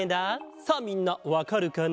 さあみんなわかるかな？